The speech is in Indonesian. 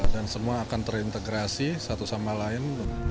semua akan terintegrasi satu sama lain